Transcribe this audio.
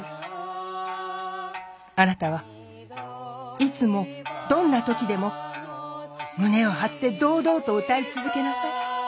あなたはいつもどんな時でも胸を張って堂々と歌い続けなさい」。